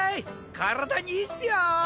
体にいいっすよ！